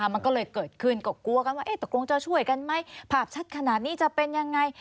มันก็เลยเกิดขึ้นกักกลัวกันว่าภาพชัดขนาดนี้จะเป็นอย่างไร